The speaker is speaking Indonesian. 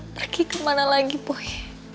pergi kemana lagi boy